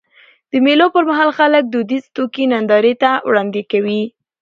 د مېلو پر مهال خلک دودیزي توکي نندارې ته وړاندي کوي.